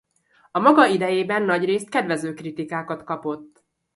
A maga idejében nagyrészt kedvező kritikákat kapott.